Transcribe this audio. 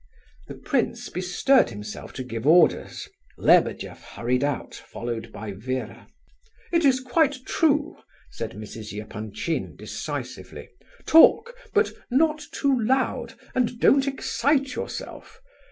The prince bestirred himself to give orders. Lebedeff hurried out, followed by Vera. "It is quite true," said Mrs. Epanchin decisively. "Talk, but not too loud, and don't excite yourself.